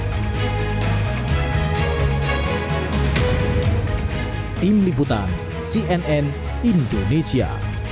sebelumnya jokowi menyatakan sudah meresui putra sulungnya